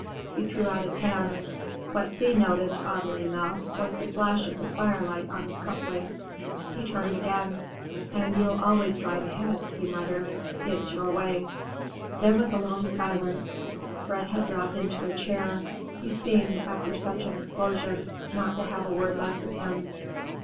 He threw out his hands. What Thea noticed, oddly enough, was the flash of the firelight on his cuff link. He turned again. "And you'll always drive ahead," he muttered. "It's your way." There was a long silence. Fred had dropped into a chair. He seemed, after such an explosion, not to have a word left in him.